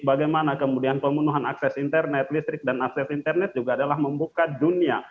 bagaimana kemudian pemenuhan akses internet listrik dan akses internet juga adalah membuka dunia